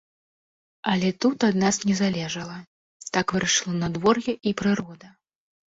Але тут ад нас не залежала, так вырашыла надвор'е і прырода.